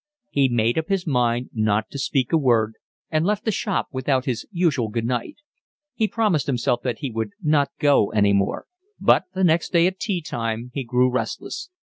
He made up his mind not to speak a word, and left the shop without his usual good night. He promised himself that he would not go any more, but the next day at tea time he grew restless.